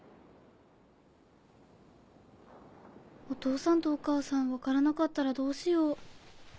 お父さんとお母さん分からなかったらどうしよう。